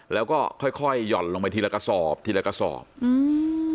แล้วก็ค่อยค่อยห่อนลงไปทีละกระสอบทีละกระสอบอืม